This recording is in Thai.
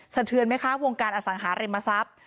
เทือนไหมคะวงการอสังหาริมทรัพย์